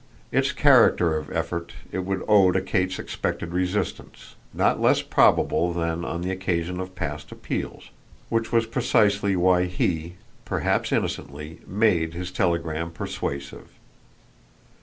Its character of effort it would owe to Kate's expected resistance, not less probable than on the occasion of past appeals; which was precisely why he perhaps innocently made his telegram persuasive.